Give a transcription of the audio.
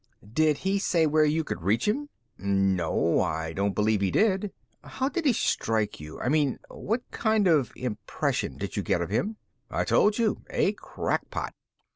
"Did he say where you could reach him?" "No, I don't believe he did." "How did he strike you? I mean what kind of impression did you get of him?" "I told you. A crackpot."